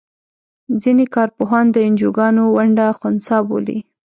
ځینې کار پوهان د انجوګانو ونډه خنثی بولي.